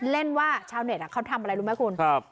เล่นว่าชาวเน็ตเขาทำอะไรรู้ไหมคุณ